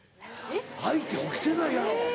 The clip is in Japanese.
相手起きてないやろ。